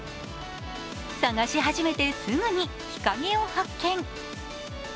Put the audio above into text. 探し始めてすぐに日陰を発見。